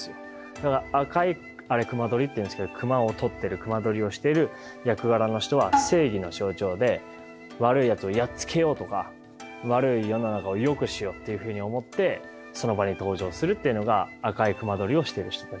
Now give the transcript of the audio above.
だから赤いあれ隈取っていうんですけど隈を取ってる隈取りをしている役柄の人は正義の象徴で悪いやつをやっつけようとか悪い世の中をよくしようっていうふうに思ってその場に登場するっていうのが赤い隈取をしている人たちで。